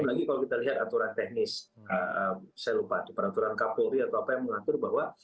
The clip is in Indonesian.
apalagi kalau kita lihat aturan teknis saya lupa di peraturan kapolri atau apa yang mengatur bahwa